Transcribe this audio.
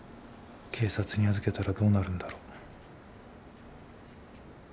警察に預けたらどうなるんだろ？